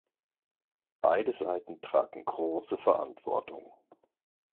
Beide Seiten tragen große Verantwortung.